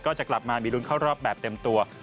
จะกลับมามีลุ้นเข้ารอบแบบเต็มตัว